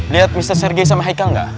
liat mister sergi sama haikal nggak